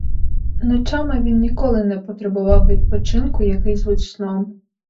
Ночами він ніколи не потребував відпочинку, який звуть сном.